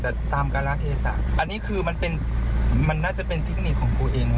แต่ตามการรักธรรมอันนี้คือมันน่าจะเป็นเทคนิคของครูเอง